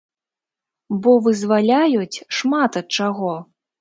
Бо вызваляюць шмат ад чаго.